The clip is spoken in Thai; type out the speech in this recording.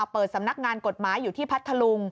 สำนักงานกฎหมายอยู่ที่พัทธลุง